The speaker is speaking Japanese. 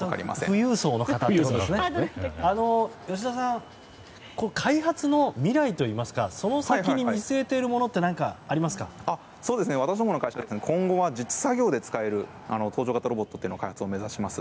富裕層ということで吉田さん開発の未来といいますかその先に見据えているものって私どもの会社今後は実地作業で使える搭乗型ロボットの開発を目指しています。